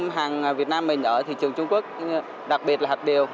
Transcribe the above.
hàng việt nam mình ở thị trường trung quốc đặc biệt là hạt điều